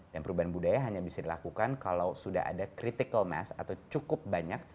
dan perubahan budaya hanya bisa dilakukan kalau sudah ada critical mass atau cukup banyak